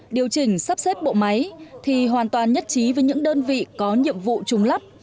điều chỉnh sắp xếp bộ máy thì hoàn toàn nhất trí với những đơn vị có nhiệm vụ trùng lắp